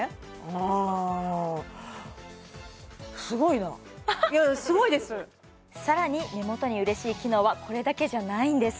うーんいやいやすごいですさらに目元に嬉しい機能はこれだけじゃないんです